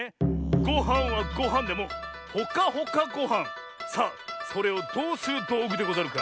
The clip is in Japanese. ごはんはごはんでもほかほかごはんさあそれをどうするどうぐでござるか？